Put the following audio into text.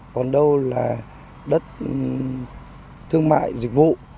còn đâu là đất thương mại dịch vụ